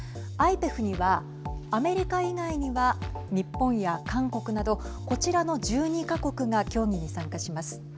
ＩＰＥＦにはアメリカ以外には日本や韓国などこちらの１２か国が協議に参加します。